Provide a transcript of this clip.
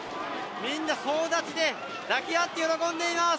みんな総立ちで抱き合って喜んでいます。